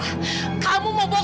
aja sih lama banget